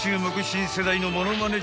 新世代のものまね